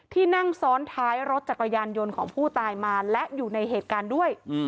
นั่งซ้อนท้ายรถจักรยานยนต์ของผู้ตายมาและอยู่ในเหตุการณ์ด้วย